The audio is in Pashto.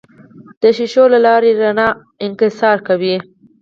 د شیشو له لارې رڼا انکسار کوي.